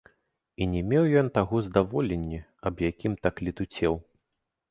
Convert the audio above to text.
І не меў ён таго здаволення, аб якім так летуцеў.